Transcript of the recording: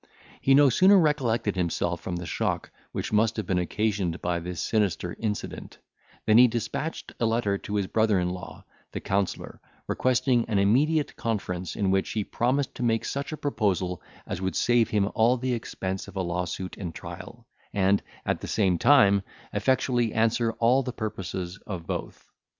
He no sooner recollected himself from the shock which must have been occasioned by this sinister incident, than he despatched a letter to his brother in law, the counsellor, requesting an immediate conference, in which he promised to make such a proposal as would save him all the expense of a lawsuit and trial, and, at the same time, effectually answer all the purposes of both.